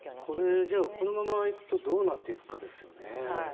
これはこのままいくとどうなっていくかですよね。